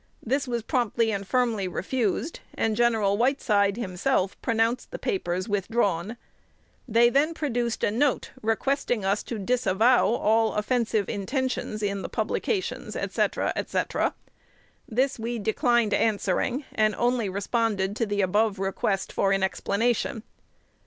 This was promptly and firmly refused, and Gen. Whiteside himself pronounced the papers withdrawn. They then produced a note requesting us to "disavow" all offensive intentions in the publications, &c., &c. This we declined answering, and only responded to the above request for an explanation.